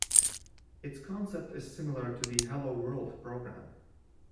Its concept is similar to the Hello world program.